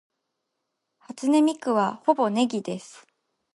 初音ミクはほぼネギです